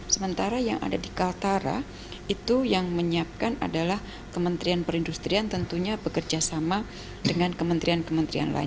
sementara yang ada di kaltara itu yang menyiapkan adalah kementerian perindustrian tentunya bekerja sama dengan kementerian kementerian lain